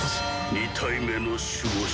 ２体目の守護神。